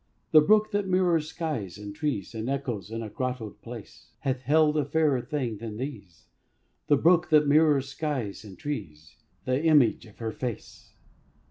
The brook, that mirrors skies and trees, And echoes in a grottoed place, Hath held a fairer thing than these; The brook, that mirrors skies and trees, Hath held the image of her face.